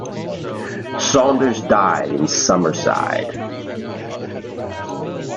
Saunders died in Summerside.